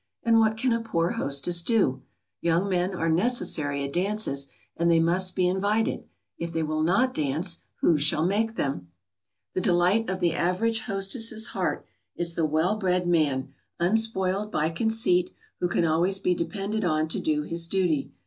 And what can a poor hostess do? Young men are necessary at dances, and they must be invited. If they will not dance, who shall make them? [Sidenote: "The delight of the hostess's heart."] The delight of the average hostess's heart is the well bred man, unspoiled by conceit, who can always be depended on to do his duty.